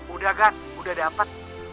udah gad udah dapet